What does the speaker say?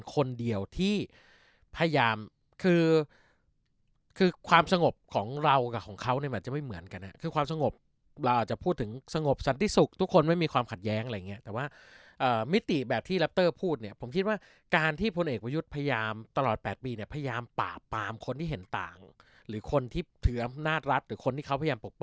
คนเดียวที่พยายามคือคือความสงบของเรากับของเขาเนี่ยมันจะไม่เหมือนกันคือความสงบเราอาจจะพูดถึงสงบสันติสุขทุกคนไม่มีความขัดแย้งอะไรอย่างเงี้ยแต่ว่ามิติแบบที่รัปเตอร์พูดเนี่ยผมคิดว่าการที่พลเอกประยุทธ์พยายามตลอด๘ปีเนี่ยพยายามปราบปามคนที่เห็นต่างหรือคนที่ถืออำนาจรัฐหรือคนที่เขาพยายามปกป้อ